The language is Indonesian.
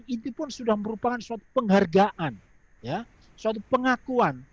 itu pun sudah merupakan suatu penghargaan suatu pengakuan